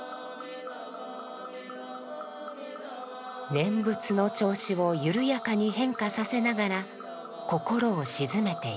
念仏の調子をゆるやかに変化させながら心を静めていく。